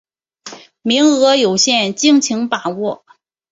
名额有限，敬请把握